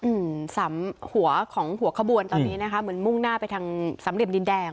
อืมสำหัวของหัวขบวนตอนนี้นะคะเหมือนมุ่งหน้าไปทางสำเหลี่ยมดินแดง